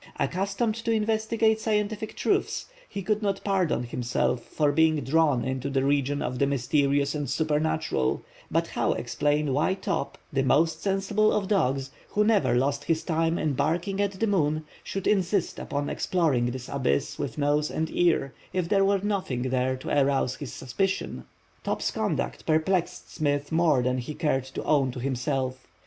Accustomed to investigate scientific truths, he could not pardon himself for being drawn into the region of the mysterious and supernatural; but how explain why Top, the most sensible of dogs, who never lost his time in barking at the moon, should insist upon exploring this abyss with nose and ear, if there was nothing there to arouse his suspicions? Top's conduct perplexed Smith more than he cared to own to himself.